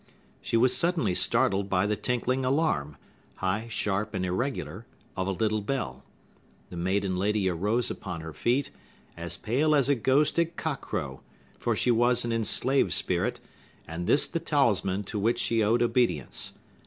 She was suddenly startled by the tinkling alarum—high, sharp, and irregular—of a little bell. The maiden lady arose upon her feet, as pale as a ghost at cock crow; for she was an enslaved spirit, and this the talisman to which she owed obedience.